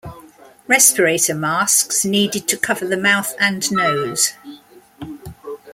Respirator masks needed to cover the mouth and nose.